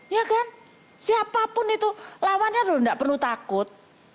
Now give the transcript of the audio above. ya kan siapapun itu lawannya enggak perlu takut